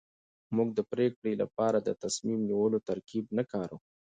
موږ د پرېکړې لپاره د تصميم نيولو ترکيب نه کاروو.